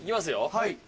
はい。